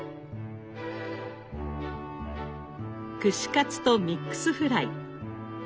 串カツとミックスフライ。